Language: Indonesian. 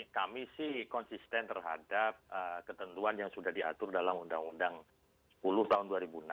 kami sih konsisten terhadap ketentuan yang sudah diatur dalam undang undang sepuluh tahun dua ribu enam